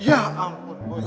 ya ampun boy